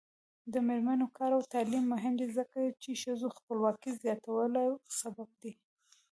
د میرمنو کار او تعلیم مهم دی ځکه چې ښځو خپلواکۍ زیاتولو سبب دی.